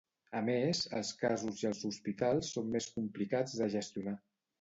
A més, els casos i els hospitals són més complicats de gestionar.